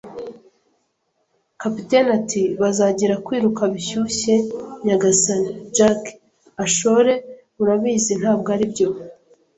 Kapiteni ati: "Bazagira kwiruka bishyushye, nyagasani". “Jack ashore, urabizi. Ntabwo aribyo